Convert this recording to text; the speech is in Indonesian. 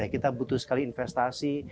kita butuh sekali investasi